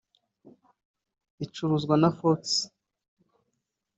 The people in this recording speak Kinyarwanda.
Icuruzwa na Fox